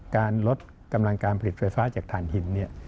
การลดกำลังการผลิตไฟฟ้าจากฐานหิน